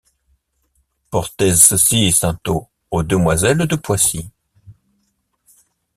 Portez cecy, Saintot, aux demoiselles de Poissy…